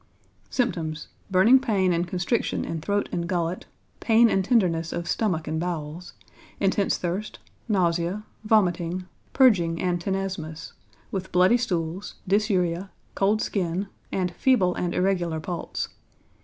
Symptoms. Burning pain and constriction in throat and gullet, pain and tenderness of stomach and bowels, intense thirst, nausea, vomiting, purging and tenesmus, with bloody stools, dysuria, cold skin, and feeble and irregular pulse.